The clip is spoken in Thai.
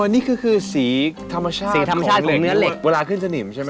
นี่คือคือสีธรรมชาติของเหล็กเวลาขึ้นสนิมใช่ไหมครับ